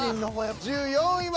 １４位は。